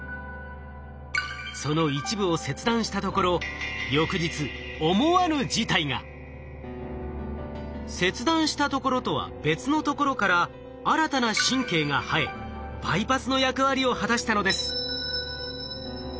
その一部を切断したところ翌日切断したところとは別のところから新たな神経が生えバイパスの役割を果たしたのです。